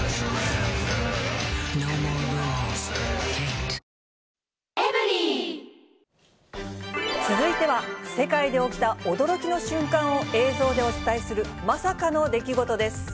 ＮＯＭＯＲＥＲＵＬＥＳＫＡＴＥ続いては、世界で起きた驚きの瞬間を映像でお伝えするまさかの出来事です。